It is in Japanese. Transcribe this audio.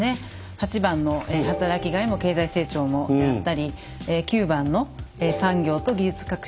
８番の「働きがいも経済成長も」であったり９番の「産業と技術革新の基盤をつくろう」。